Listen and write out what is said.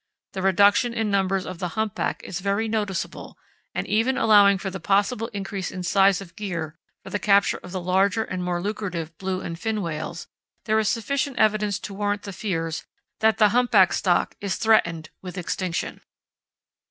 The reduction in numbers of the humpback is very noticeable, and even allowing for the possible increase in size of gear for the capture of the larger and more lucrative blue and fin whales, there is sufficient evidence to warrant the fears that the humpback stock is threatened with extinction.